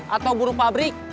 atau buruh pabrik